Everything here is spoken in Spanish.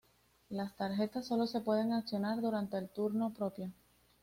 Las tarjetas solo se pueden accionar durante el turno propio.